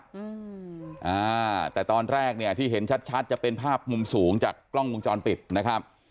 อืมอ่าแต่ตอนแรกเนี่ยที่เห็นชัดชัดจะเป็นภาพมุมสูงจากกล้องวงจรปิดนะครับ